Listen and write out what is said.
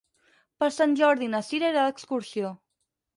Per Sant Jordi na Sira irà d'excursió.